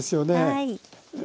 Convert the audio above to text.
はい。